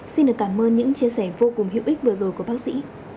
xin được cảm ơn những chia sẻ vô cùng hữu ích vừa rồi của bác sĩ